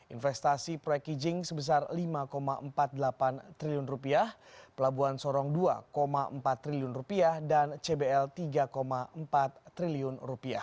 investasi proyek kijing sebesar rp lima empat puluh delapan triliun pelabuhan sorong rp dua empat triliun dan cbl rp tiga empat triliun